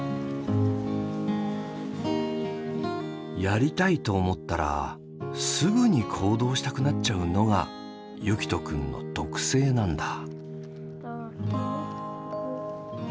やりたいと思ったらすぐに行動したくなっちゃうのが結希斗くんの特性なんだ。